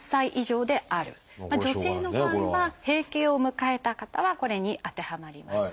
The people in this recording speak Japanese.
女性の場合は閉経を迎えた方はこれに当てはまります。